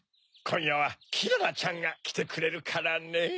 こんやはキララちゃんがきてくれるからね。